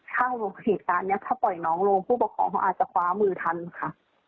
ถ้าเหตุการณ์นี้ถ้าปล่อยน้องลงผู้ปกครองเขาอาจจะคว้ามือทันค่ะ